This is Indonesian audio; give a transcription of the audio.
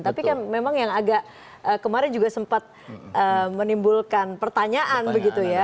tapi kan memang yang agak kemarin juga sempat menimbulkan pertanyaan begitu ya